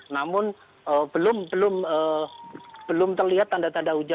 namun belum terlihat tanda tanda hujan